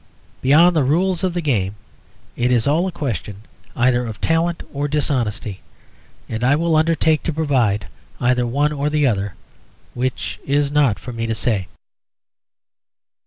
Beyond the rules of the game it is all a question either of talent or dishonesty; and I will undertake to provide either one or the other which, it is not for me to say.